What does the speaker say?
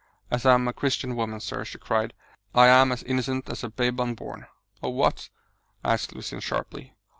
"As I am a Christian woman, sir," she cried, "I am as innocent as a babe unborn!" "Of what?" asked Lucian sharply.